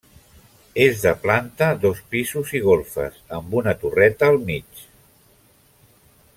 És de planta, dos pisos i golfes, amb una torreta al mig.